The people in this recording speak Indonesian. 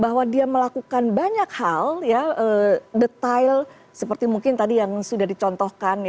bahwa dia melakukan banyak hal detail seperti mungkin tadi yang sudah dicontohkan